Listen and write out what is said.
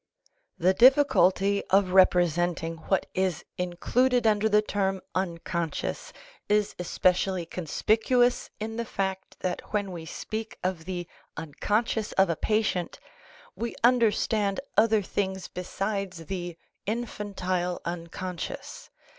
The difficulty of representing what is included under the term " unconscious " is especially conspicuous in the fact that when we speak of the unconscious of a patient, we understand other things besides the infantile unconscious.